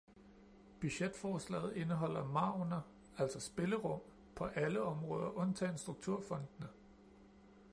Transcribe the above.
Budgetforslaget indeholder margener, altså spillerum, på alle områder undtagen strukturfondene.